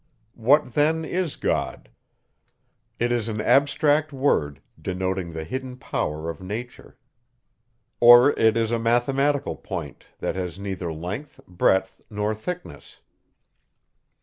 What then is God? It is an abstract word, denoting the hidden power of nature; or it is a mathematical point, that has neither length, breadth, nor thickness.